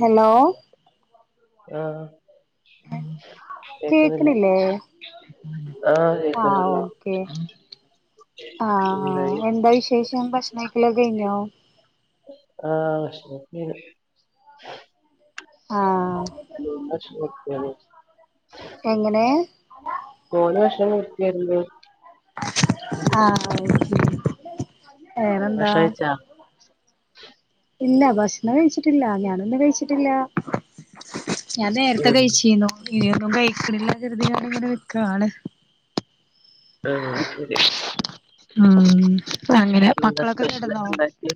Hello ആ ആഹ് കേക്കുന്നില്ലേ കേക്കിണില്ലേ ആഹ് ആഹ് കേക്കുന്നുണ്ടല്ലോ ഓക്കെ ആഹ് എന്തായി എന്താ വിശേഷം ഭക്ഷണം കഴിക്കലൊക്കെ കഴിഞ്ഞോ ആഹ് ഭക്ഷണൊക്കെ കഴി ആഹ് അ ഓക്കെന്ന [inaudible] എങ്ങനെ [unintelligible] ആഹ വേറെന്താ? ഭക്ഷണം കഴിച്ചാ ഇല്ല ഭക്ഷണം കഴിച്ചിട്ടില്ല ഞാനൊന്നും കഴിച്ചിട്ടില്ല ഞാൻ നേരത്തെ ഉം കഴിച്ചിനു ഇനിയൊന്നും കഴിക്കണില്ല കരുതി ഞാനിങ്ങനെ നിക്കാണ് ആഹ ശരി ആഹ അങ്ങനെ എന്താ മക്കളൊക്കെ സ്പെഷ്യലൊക്കെ കെടന്നും ഉണ്ടാക്കിയെ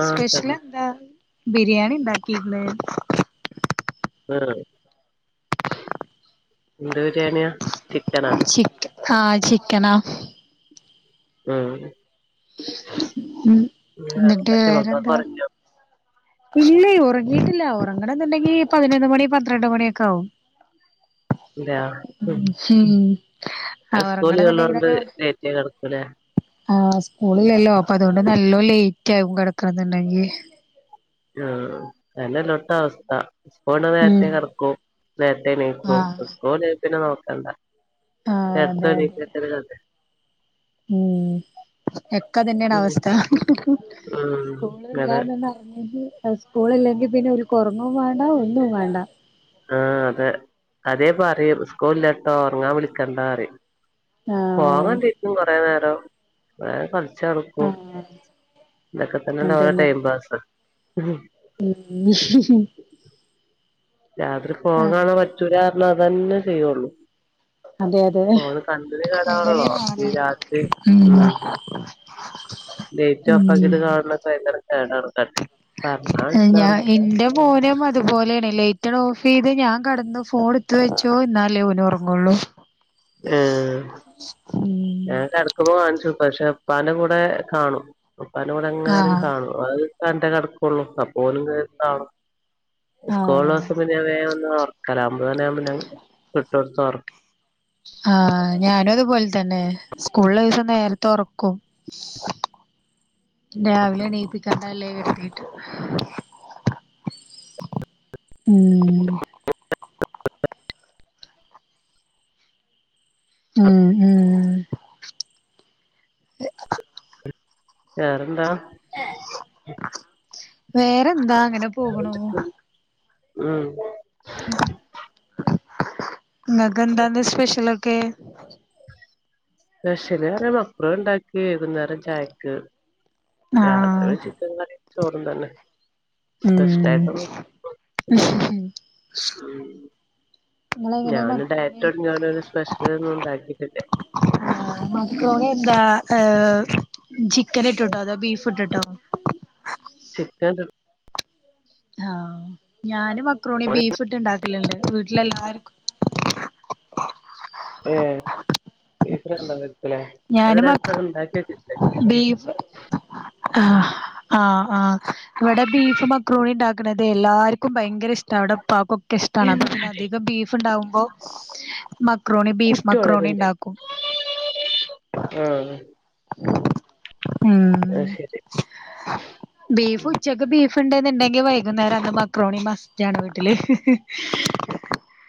ആഹ് സ്പെഷ്യലി കടന്നു എന്താ ബിരിയാണി ണ്ടാ ക്കീര് ന്ന് ആ എന്ത് ബരിയാണിയ ചിക്കനാ ചിക്കൻ ആ ചിക്കനാ ഉം എന്നിട്ട് ഉൊക്കെ വേറെന്താ കുറഞ്ഞ [unintelligible] ഇല്ലേ ഉറങ്ങിയിട്ടില്ല ഉറങ്ങണന്നുണ്ടെങ്കി പതിനൊന്ന് മണി പന്ത്രണ്ട് മണിയൊക്കെ ആകും. ഇതെ [unintelligible] ഹം [unintelligible] സ്‌കൂൾ ലീവാ യോണ്ട് ലേറ്റായി കെടക്കു ലെ ആഹ് സ്കൂളിലല്ലോ അപ്പൊ അതുകൊണ്ട് നല്ലോ ലേറ്റ് ആയി കിടക്കണന്നുണ്ടെങ്കി ആ തല്ല ലൊട്ടാ ആ സ്കൂളണ്ട് നേരത്തെ ഉം കടക്കും നേരത്തെ നീക്കും ആഹ് സ്കൂള് ല്ലേ പിന്നെ നോക്കണ്ട ആഹ് ത്ത ഇക്ക ത [unintelligible] മ് എക്കാ തന്നെയാണ് ഉം അവസ്ഥ ഉം സ്കൂളല്ല അതെ അറിഞ്ഞ [unintelligible] സ്കൂളില്ലെങ്കിൽ പിന്നെ ഒര്കുറങ്ങും വേണ്ട ഒന്നും വേണ്ട. ആഹ അതെ അത്യേ പറയും സ്കൂളിലേട്ടോ ഉറങ്ങാൻ വിളിക്കണ്ട അറി ഫോൺ ആഹ് കണ്ടിര്ക്കും കൊറെ നേരം. [unintelligible] ക്കും ആഹ് ഇതൊക്കെ തന്നെല്ലെ ഓലെ അതന്നെ ടൈം പാസ് ഉം രാത്രി ഫോൺ കാണാൻ പറ്റൂലാർഞ്ഞ അതന്നെ ചെയ്യുള്ളൂ. അതെ അതെ ഓള് കണ്ട്ല് കേടാണല്ലോ. ഈ രാത്രി ഉം ലൈറ്റ് ഓഫ് ആകിട്ട് ഉം കാണ് ണൊക്കെ ഭയങ്കര കേടാണ് തലക്ക്. പർഞ്ഞ ഞാ മനസിലാവു എന്റെ മോനും അതുപോലെയാണ് ലൈറ്റണ്ട് ഓഫെയ്ത് ഞാൻ കടന്ന് ഫോൺ ഇത്ത് വെച്ചോ ഇന്നാലേ ഓനു ഒറങ് കൊള്ളൂ ഏഹ് ഞാൻ കടക്കുമ്പോ കാൺച്ചൊട്ക്കും പക്ഷെ ഉപ്പാന്റെ കൂടെ കാണും. ഉപ്പാന്റെ കൂടെ എങ്ങനാലും ആഹ് കാണും. അത് കണ്ടെ കടക്കൊള്ളു അപ്പോലും കേ കാണും. സ്കൂളോസം പിന്ന ഞാൻ വേ വന്ന് ഒറക്കല അമ്പത് മണിയാവുമ്പം ഞാന് ഇട്ടൊട്ത്ത് ഒർ ആഹ് ഞാനും അതുപോലെ തന്നെ സ്കൂൾള്ള ദിവസം നേര്ത്തെ ഒറക്കും. രാവിലെ എണീപ്പിക് [unintelligible] ഉം ഉം വേറെന്താ? വേറെന്താ അങ്ങനെ പോകണു ഉം ഇങ്ങക് എന്താന്ന സ്പെഷ്യലൊക്കെ? നഷല് പറിയ മക്രുണിണ്ടാക്കി വൈകുന്നേരം ചായയ്‌ക്ക് ആഹ് രാത്രി ചിക്കൻ കറിം ചോറും തന്നെ. സ്പെഷ്യലായിട്ടൊന്നും ഉം ഉം നിങ്ങളെങ്ങനെ ഞാന് മക്കളെ ഡയറ്റൊട്ങ്യോണ്ട് ഒരു സ്പെഷ്യൽ ഒന്നും ഉണ്ടാക്കിട്ടില്ല. ക്രൂണി എന്താ ഏഹ് ചിക്കൻ ഇട്ട്ട്ടോ അതോ ബീഫ് ഇട്ട്ട്ടോ? ചിക്കൻ ഇട്ട് ആഹ് ഞാന് മക്രോണി ബീഫ് ഇട്ട് ഇണ്ടാക്കല്ണ്ട് വീട്ടിലെല്ലാർക്കും ഏഹ് ഞാന് മ [unintelligible] ബീഫ് ആഹ് ആഹ് ആഹ് ഇവിടെ ബീഫ് മക്രോണി ഉണ്ടാക്കണതെ എല്ലാർക്കും ഭയങ്കര ഇഷ്ടവാ. ഇവിടെ ഉപ്പാക്കും ഒക്കെ ഇഷ്ടാണ്. അപ്പ പിന്നെ എന്താണ് അധികം ബീഫ് ഉണ്ടാകുമ്പോ മക്രോണി ബീഫ് കുട്ടി മക്രോണി വളരുണ്ട് ഇണ്ടാക്കും. ആഹ് ഉം അത് ശരി ബീഫ് ഉം. ഉച്ചക്ക് ബീഫ് ഫ്ണ്ട്ന്നുണ്ടങ്കി വൈകുന്നേരം അന്ന് മക്രോണി മസ്റ്റാണ് വീട്ടില്.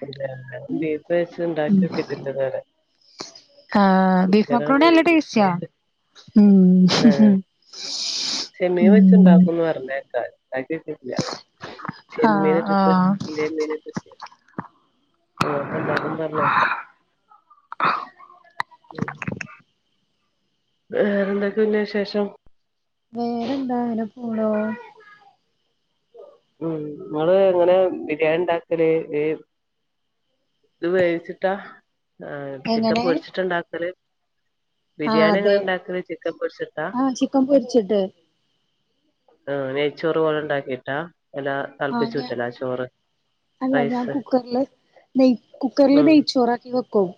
[unintelligible] ബീഫ് വെച്ച് ഇണ്ടാക്കി നോക്കിട്ടില്ല ഇത് വരെ ആഹ് ബീഫ് മക്രോണി നല്ല മെയിൻ ടേസ്റ്റിയാ. ഉം ആഹ് ചെമ്മീൻ വെച്ചു ഉം ഉണ്ടാക്കുന്ന് പറഞ്ഞു കേക്കാം. ഞാൻ [unintelligible] ചെമ്മീൻ ആഹ് ഇട്ടിട്ട് ആഹ് [unintelligible] ഉം വേറെന്തൊക്കെ പിന്നെ വിശേഷം? വേറെന്താ അങ്ങനെ പോണു. ഉം ഇങ്ങള് എങ്ങനെയാ ബിരിയാണിണ്ടാക്കല്? വേവ് ഇത് വേവിച് ട്ട ആഹ് ചിക്കൻ എങ്ങനെ പൊരിച്ചിട്ടുണ്ടാക്കല്? ആഹ് ബിരിയാണി അതെ എങ്ങനെയാ ഇണ്ടാക്കല് ചിക്കൻ പൊരിച്ചിട്ടാ? ആഹ് ചിക്കൻ പൊരിച്ചിട്ട് ആഹ് നെയ്ച്ചോറ് പോലെ ഇണ്ടാക്യക്കാ അലാ ആഹ് തൾപ്പിച്ചു ഞാ ഊറ്റലാ ചോറ്? അല്ല ഞാൻ റൈസ് കുക്കറില് നെയ് കുക്കറില് ഉം നെയ്ച്ചോറാക്കി വെക്കും.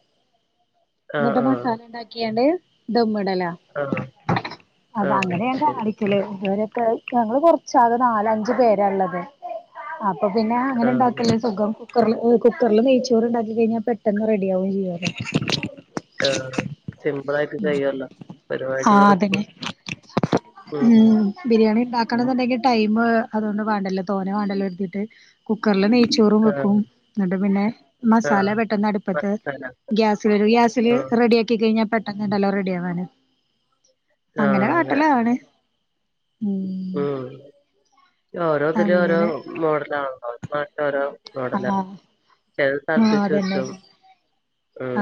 ആ എന്നിട്ട് ആ മസാല ഉണ്ടാക്കിയാണ്ട് ദമ്മിടലാ. ആ ആ അത് അങ്ങനെയാ ശരി ല് ഇവരൊക്ക ഞങ്ങള് കൊർച്ചാകെ നാല് അഞ്ച് പേരാ ഇള്ളത്. അപ്പ പിന്നെ അങ്ങനെ ആ അതെ ഇണ്ടാക്കല്ലെ സുഖം. ക്കറിൽ കുക്കറിൽ നെയ്ച്ചോറ് ഉണ്ടാക്കി കഴിഞ്ഞാൽ പെട്ടെന്ന് റെഡിയാവുകയും ചെയ്യും. ആഹ് സിമ്പിൾ ആയിട്ട് കഴിയുമല്ലോ? ആഹ് പരിപാടികൾക്കും. അതന്നെ ഉം. ബിരിയാണി ഉണ്ടാക്കണന്നു ണ്ടെങ്കിൽ ടൈം അതുകൊണ്ട് വേണ്ടല്ലോ തോനേ വേണ്ടല്ലോ എടുത്തിട്ട് കുക്കറില് നെയ്ച്ചോറും ആ വെക്കും. എന്നിട്ട് പിന്നെ ആ മസാല പെട്ടന്ന് അടുപ്പത്ത് മസാല ഗ്യാസിൽ [unintelligible] ഗ്യാസില് ആ റെഡിയ ആക്കി കഴിഞ്ഞാ പി ണ്ടല്ലോ റെഡി ആവാന് അങ്ങനെ കാട്ടിലാണ്. ഉം ഓരോ ഇതിലും ഓരോ അങ്ങനെ മോഡലാണല്ലോ നാട്ടി ഓരോ മോഡലാ. ആഹ് ചെലര് തളപ്പിച്ചു ഊറ്റും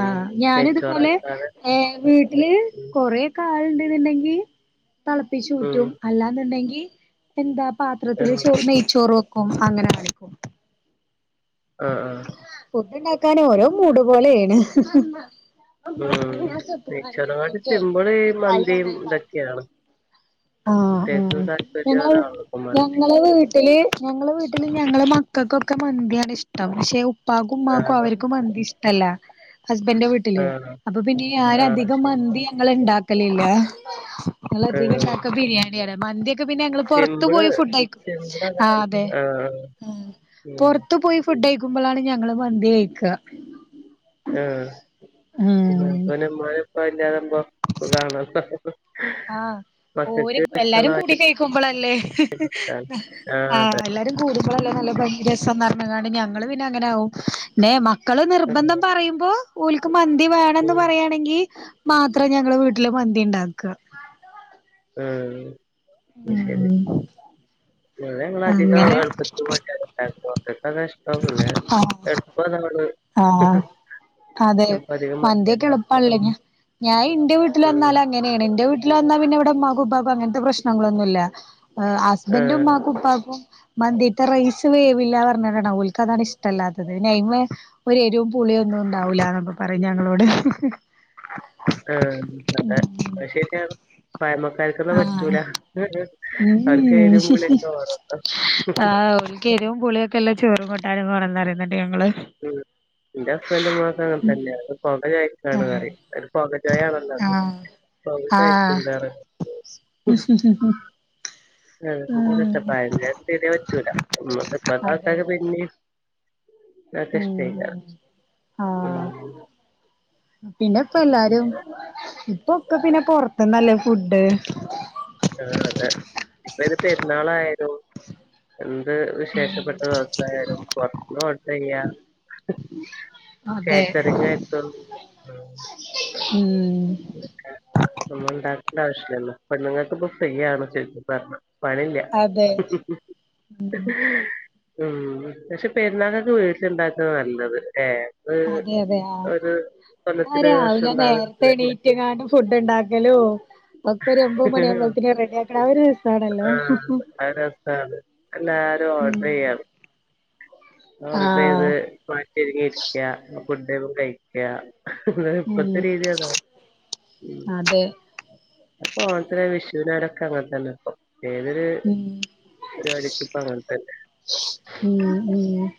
ആ ഞാനിതുപോലെ നെയ്ച്ചോറാക്കാതെ ഏ വീട്ടില് ഉം കൊറേ ആൾ ഉണ്ടന്നുണ്ടെങ്കി തിളപ്പച്ച് ഉം ഊറ്റും. അല്ലാന്നുണ്ടെങ്കി എന്താ ആ പാത്രത്തില് ചോ നെയ്ച്ചോറ് വെക്കും അങ്ങനെകാണിക്കും. ആഹ് ആഹ് ഫുഡ് ഉണ്ടാക്കാൻ ഓരോ മൂട് പോലെയാണ്. ഉം. നെയ്ച്ചോറിനെകാട്ടി സിമ്പിൾ ഈ കളി മന്തിയും കാണാൻ കടക്കും ഇതൊക്കെയാണ്. ആഹ് ആഹ് ഞങ്ങള് ഏറ്റവുംതാല്പര്യവുഅതാണ് മന്തി. [unintelligible] വീട്ടില് ഞങ്ങടെ വീട്ടില് ഞങ്ങക്ക് മക്കക്കൊക്കെ മന്തിയാണ് ഇഷ്ടം പക്ഷെ ഉപ്പാക്കും ആ ഉമ്മാക്കും അവർക് മന്തി ഇഷ്ടമല്ല. ഹസ്ബന്റിന്റെവീട്ട ട്ടില് ആ അപ്പൊ പിന്നെ ഞാൻ ആഹ് അധികം ശരി. മന്തി ഞങ്ങൾ ഉണ്ടാക്കലില്ല. ഞങ്ങള് അധികം ആഹ് ബിരിയാണിയാണ്. മന്തി പിന്നെ ഞങ്ങള് പുറത്തു സിമ്പിള് പ്പോയി ഫുഡ്കഴിക്കും. ആ സിമ്പിളതാണ്. അതെ. ആഹ് ഉം. ഉം പുറത്ത് പോയി ഫുഡ് കഴിക്കുമ്പോളാണ് ഞങ്ങള് മന്തി കഴിക്കുക. ആ [unintelligible] ഉം ഉമ്മാനും ഉപ്പാനും ഇല്ലാതാവുമ്പംകാണാം. ആ ഓര് എല്ലാരും കൂടി കഴിക്കുമ്പോളല്ലേ കാര്യാ ആഹ് ആ അതെ. എല്ലാരും ഉം കൂട്ടുമ്പളല്ലേ നല്ല ഭം രസംന്ന് പറഞ്ഞങ്ങാണ്ട് ഞങ്ങള് പിന്നെ അങ്ങനെ ആകും. പിന്നെ മക്കള് നിർബന്ധം പറയുമ്പോ ഓലക്ക് മന്തി വേണന്ന് ഉം പറയുവാണെങ്കിമാത്രം ഞങ്ങള് വീട്ടില് മന്തി ഉണ്ടാക്കുക. ഉം. അത്ശരി. ഉം ഇവിടെ ഞങ്ങൾ അധികം അങ്ങനെ എളുപ്പത്തേക്ക് മന്തി അതാ ഉണ്ടാക്കുക. മകൾക്ക് അതാ ഇഷ്ടം. പിന്നെ ആഹ് [unintelligible] ആഹ അതെ അപ്പൊ അധികം മന്തിയാ മന്തിയൊക്കെ ഇണ്ടാക്ക. എളുപ്പള്ള ന്നെയാ ഞാൻ ഇന്റെ വീട്ടിൽ ഉം വന്നാലെ അങ്ങനെണ് ഇന്റെ വീട്ടിൽ വന്നാൽ പിന്നെ ഇവടെ ഉമ്മാക്കും ഉപ്പാക്കും അങ്ങനത്തെ പ്രശ്നങ്ങളൊന്നുല്യ ഹസ് ഹസ്ബൻഡും ആഹ് ഉമ്മാക്കും ഉപ്പാക്കും മന്തിത്തെ റൈസ് വേവില്ലറാ ഞ്ഞാണ്ടാണ് ഓൽക്ക് അതാണ് ഇഷ്ടല്യത്തത് നെയിം ഒരു എരിവും പുള്ളിയും ഒന്നും ഉണ്ടാവില്ലന്നൊക്കെ പറയും ഞങ്ങളോട് ആ അതെ അഹ് ശെരിയാണ് പഴമകാർക്കൊന്നും പറ്റൂല ആ അവർക്ക് എരിവും [unintelligible] പുളിയൊക്കെ വേണം. ഇന്ക് എരുവും പുള്ളിയൊക്കെയുള്ള ചോറും കുട്ടാനും വാണെന്ന് പറയുങ്ങട്ട് ഞങ്ങള് ഉം ഇന്റ ഹസ്ബൻ്റ് മാസ അങ്ങൻത്തന്നെണ് [unintelligible] ആണോ ആഹ് അറിം അത് പൊകച്ചോ യണല്ലോത് പൊകചൊയക്ക്ണ്ട് അറിം ഹ് ആഹ് ഇപ്പോ കഷ്ട്ടപ്പാടന്നേ ശര്യാ പറ്റൂല ഉം അതെ ഇപ്പാക്കാക്കാര് പിന്നെ അക്കഷരി ഉം ഉ ആഹ് പിന്നെ ഇപ്പം എല്ലാരും ഇപ്പൊക്കെ പിന്നെ പൊറത്‍ന്നല്ലേ ഫുഡ്‌ ആ അതെ ഇപ്പം അയ്ന് പെരുന്നാളായാലും എന്ത് വിശേഷപ്പെട്ട ദിവസയാലും പൊറത്ത്ന്ന് ഓർഡറെയാ. അതെ കാറ്ററിംഗ് ആയിട്ടു ഉം നമ്മ ഒന്നും ഉണ്ടാക്കേണ്ട ആവശ്യല്യല്ലോ പെണ്ണുങ്ങൾക്ക് ഇപ്പോ ഫ്രീ ആണ് ചുരുകി പറഞ്ഞാ പണില്യ അതെ ഉം പക്ഷെ പെരുന്നാൾകക്ക് വീട്ടിലുണ്ടാക്കുന്നതാ നല്ലത് ലെ അതെ അതെ ആഹ് ഒരു കൊല്ലത്തിൽ ഒരു വർഷം ഇണ്ടാവണതല്ലേ ട്യങ്ങാണ്ടും ഫുഡുണ്ടാക്കലോ ഒക്കെരുമ്പോ ഒരു മണിയാവുമ്പത്തേക്ക് റെഡി ആക്ണെ ആ ഒരു രസാണല്ലോ ആഹ് അത് രസാണ് എല്ലാരും ഉ [unintelligible] ഇരിക്ക ഫുഡ്‌ കഴിക്ക ന്നാലും ഇപ്പത്തെ ഉം രീതി അതാ ഉം അതെ പ്പൊ ഓണത്തിനായാലും വിഷുവിനായാലൊക്കെ അങ്ങൻ തന്നെ ഇപ്പൊ ഏതൊര് ഉം പരിവാടിക്കും ഇപ്പോ അങ്ങൻതന്നെ ഉം ഉം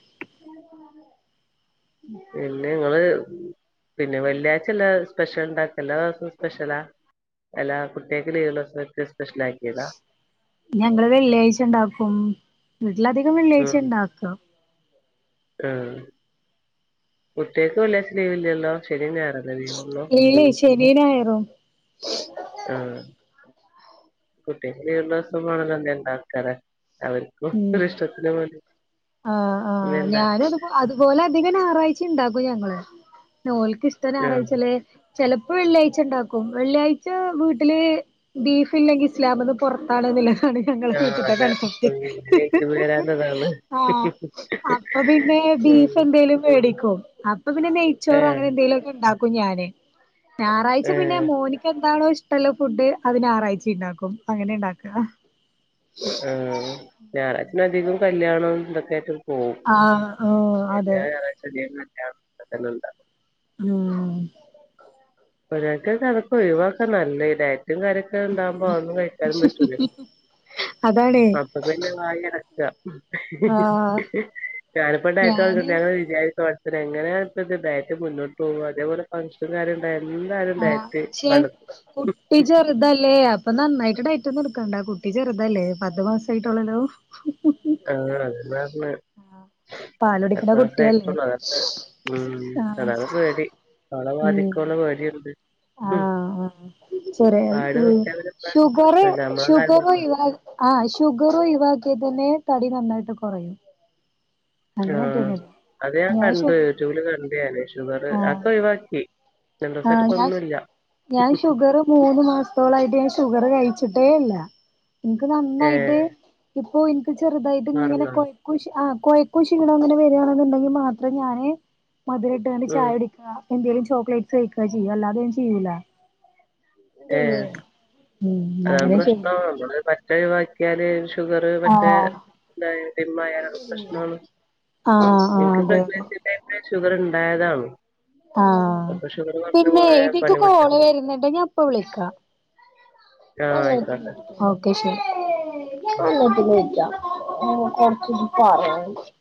പിന്നെ ങ്ങള് പിന്നെ വെള്ളിയാഴ്ച എല്ലാ സ്പെഷ്യൽ ഇണ്ടാക്ക. എല്ലാ ദിവസും സ്പെഷ്യലാ? എല്ലാ കുട്ട്യേക്ക് ലീവുള്ള [unintelligible] സ്പെഷ്യൽ ആയി. ഞങ്ങള് വെള്ളിയാഴ്ച ണ്ടാക്കും വീട്ട്ലധികം ഉം വെള്ളിയാഴ്ച ണ്ടാക്കാ. ആഹ് കുട്ട്യേക്ക് വെള്ളിയാഴ്ച ലീവില്ലല്ലോ ശെനി, ഞായറാ ഇല്ലേ ശെനി, ഞായറും ആഹ് കുട്ട്യേക്ക് ലീവുള്ള വസം വേണല്ലോ ന്തെ ഇണ്ടാക്കല്ലേ അവർ ഉം മൂപ്പരിഷ്ടത്തിന് മതി ആഹ് ആഹ് ഇത്ണ്ടാക്കല് ഞാനത് അതുപോലെ അധിക ഞായറാഴ്ചയും ഇണ്ടാക്കും ഞങ്ങള്. ഓൽക്ക് ഇഷ്ടം ആഹ് ഞായറാഴ്ചല്ലേ. ചെലപ്പോ വെള്ളിയാഴ്ച ഇണ്ടാക്കും വെള്ളിയാഴ്ച വീട്ട്ല് ബീഫ് ഇല്ലെങ്കിൽ ഇസ്ലാമ്ന്ന് പൊറത്താണ്ന്നുളളതാണ് ഞങ്ങളെ ആഹ് വീട്ട്ത്തെ അതെ കൺസെപ്റ്റ് ഉം ഇങ്ങനേയ്ക്കും വരാന്നതാണ് ആഹ് അപ്പൊ പിന്നെ ഉം ബീഫ് എന്തേലും മേടിക്കും. അപ്പൊ പിന്നെ നെയ്‌ച്ചോറോ ഏഹ് അങ്ങനെന്തെകിലൊക്കെ ഇണ്ടാക്കും ഞാന്. ഞാറാഴ്ച പിന്നെ ഏഹ് മോന്ക് എന്താണോ ഇഷ് ള്ളാ ഫുഡ് അത് ഞായറാഴ്ച്ചിം ഇണ്ടാക്കും അങ്ങനെ ഇണ്ടാക്ക. ആഹ് ഞാറാഴ്ചന്നെ അധികം കല്യണതൊക്കെയായിട്ട് ആഹ് ഹ് അതെ [inaudible] [unintelligible] ഉം ഒരു വട്ടം നമുക്ക് ഒഴിവാക്കാ നല്ലേ ഡയറ്റും കാര്യങ്ങ കുട്ട്യൾ ണ്ടാവുമ്പോ അതൊന്നും കഴിക്കാനും പറ്റൂലേ. അതാണേ അപ്പോ പിന്നെ വായിങ്ങനെ അട്ച്ച ആഹ് ഞാനിപ്പ ഡയറ്റ് ഞാന് [unintelligible] ത് എങ്ങനെപ്പോ ഇത് ഡയറ്റ് മുന്നോട്ടു പോവാ ഇതേപോലെ ഫംഗ്ഷൻ കാര്യ എൻന്താ ആഹ് ചെ കുട്ടി ചെർതല്ലേ അപ്പൊ നന്നായിട്ട് ഡയറ്റൊന്നും എടുക്കണ്ട കുട്ടി ചെർതല്ലേ. പത്ത് മാസ ആയിട്ടുള്ളേലോ? [inaudible] [unintelligible] പത്ത് പാലുടിക്ക്ണ കുട്ടിയല്ലേ? മാസായിട്ടുള്ളൂ അതൊക്കെ ഉം ആഹ് അതാണ് പേടി ഓളെ ഉം ബാധിക്കോള്ള പേടിണ്ട്. ആഹ് ചെറിയ ആട് ഷു നിർത്തിയാ പിന്നെ പ്ര ഷുഗറ് പ്രശ്നല്ല നമ്മളെ കാര്യം നോക്കണ്ടേ ഷുഗറൊയിവാ ആഹ് ഷുഗറൊയിവാക്കിയത്തന്നെ തടി നന്നായിട്ട് കൊറയും. ആഹ് അത് ഞാൻ കണ്ട് ജൂല് കണ്ട് ഞാൻ ഷുഗറ് ആഹ് അത്ര ഒഴിവാക്കി. രണ്ടു ദിവസായിട്ട് ആഹ് ഇപ്പൊ ഞാൻ ഒന്നുല്ല ഞാൻ ഷുഗറ് മൂന്ന് മാസ് ആയിട്ട് ഷുഗറ് കഴിച്ചിട്ടേയില്ല ഇൻക്ക് നന്നായിട്ട് ഏഹ് ഇപ്പോ ഇ ചെറുതായിട്ടിങ്ങനെ കൊ മാറുന്നാണ് ആഹ് കൊയക്കും ഷീണോ ങ്ങനെ വരാണെന്നുണ്ടെങ്കി മാത്രേ ഞാന് മധുരട്ട് ഞാൻ ഉം ചായ കുടിക്കാ എന്തേലും ചോക്ലേറ്റ്സ് കഴിക്കാ ചെയ്യാ അല്ലാതെ ഞ ചെയ്യൂല. ഏഹ് അതാണ് [unintelligible] [unintelligible] ഒഴിവാക്കിയാല് ഷുഗർ മറ്റേ ആഹ് ഡിമ്മയാലാണ് പ്രശ്നം ആഹ് ആഹ് ഇൻക്ക് അതെ അതെ പ്രഗ്നൻറ്റ്ന്നെ ഷുഗർണ്ടായതാണ്. ആഹ് പിന്നെ ഇതിക്ക് പണി കോള് പെട്ടിട്ടുണ്ട് വരുന്ന്ണ്ട് ഞാ പ്പ വിളിക്കാ. ആ ആയിക്കോട്ടെ ഒക്കെ ശെരി [unintelligible]